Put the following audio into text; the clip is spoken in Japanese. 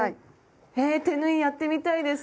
え手縫いやってみたいです！